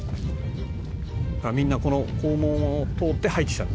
「みんなこの校門を通って入ってきた」